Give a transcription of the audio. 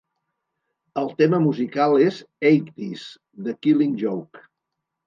El tema musical és "Eighties" de Killing Joke.